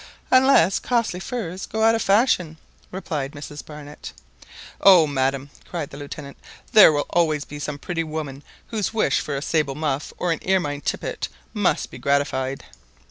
"Unless costly furs should go out of fashion," replied Mrs Barnett. "O madam," cried the Lieutenant, "there will always be some pretty woman whose wish for a sable muff or an ermine tippet must be gratified